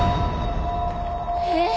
えっ？